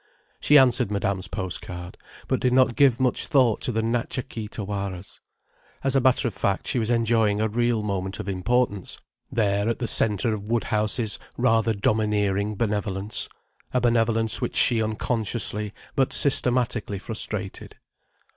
She answered Madame's post card, but did not give much thought to the Natcha Kee Tawaras. As a matter of fact, she was enjoying a real moment of importance, there at the centre of Woodhouse's rather domineering benevolence: a benevolence which she unconsciously, but systematically frustrated.